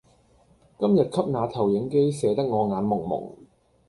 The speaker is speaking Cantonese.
今天給那投影機射得我眼濛濛